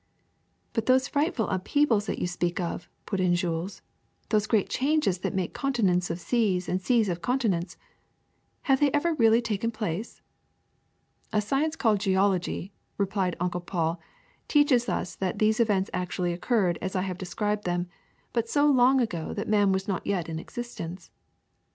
^^But those frightful upheavals that you speak of,'' put in Jules, ^' those great changes that make continents of seas and seas of continents — have they ever really taken place?" ^^A science called geology," replied Uncle Paul, ^^ teaches us that these events actually occurred as I have described them, but so long ago that man was not yet in existence.